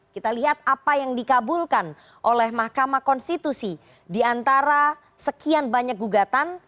kita lihat apa yang dikabulkan oleh mahkamah konstitusi diantara sekian banyak gugatan